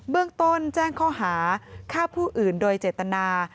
เบื้องต้นแจ้งข้อหาฆ่าผู้อื่นโดยเจตนา